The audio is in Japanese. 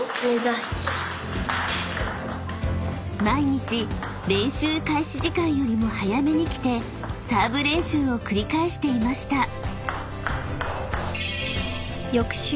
［毎日練習開始時間よりも早めに来てサーブ練習を繰り返していました］